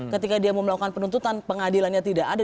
ketika dia mau melakukan penuntutan pengadilannya tidak ada